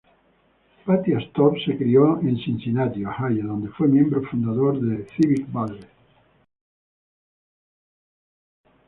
Patti Astor se crio en Cincinnati, Ohio donde fue miembro fundador de Civic Ballet.